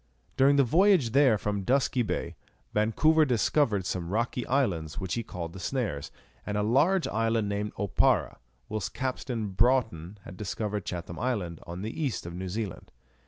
During the voyage there from Dusky Bay, Vancouver discovered some rocky islands, which he called the Snares, and a large island named Oparra, whilst Captain Broughton had discovered Chatham Island, on the east of New Zealand.